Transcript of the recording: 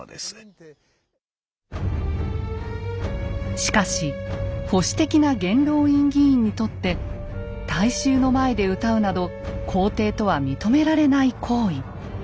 しかし保守的な元老院議員にとって大衆の前で歌うなど皇帝とは認められない行為。